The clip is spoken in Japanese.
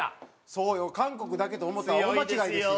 そうよ韓国だけと思ったら大間違いですよ。